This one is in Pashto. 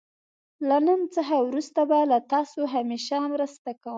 له نن څخه وروسته به له تاسو همېشه مرسته کوم.